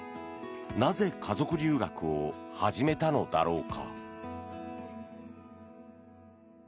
なぜ家族留学を始めたのだろうか。